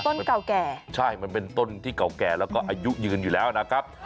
เก่าแก่ใช่มันเป็นต้นที่เก่าแก่แล้วก็อายุยืนอยู่แล้วนะครับ